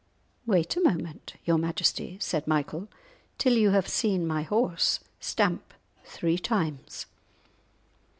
"Wait a moment, your Majesty," said Michael, "till you have seen my horse stamp three times."